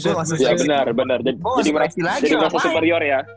jadi lu masih superior ya